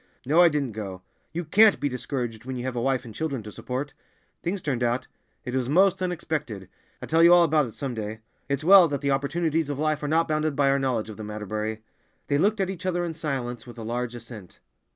"No, I didn't go. You can't be discouraged when you have a wife and children to support. Things turned out—it was most unexpected. I'll tell you all about it some day. It's well that the opportunities of life are not bounded by our knowledge of them, Atterbury." They looked at each other in silence with a large assent.